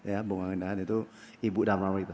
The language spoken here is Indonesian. ya bunga windahan itu ibu dan anak buah itu